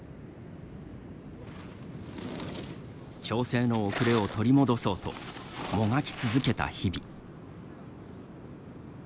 調整の遅れを取り戻そうともがき続けた日々。